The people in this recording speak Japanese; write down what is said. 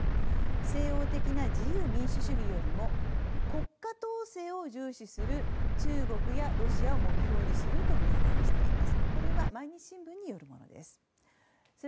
西欧的な自由民主主義より国家統制を重視する中国やロシアを目標にすると明言しています。